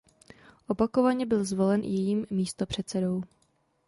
Opakovaně byl zvolen jejím místopředsedou.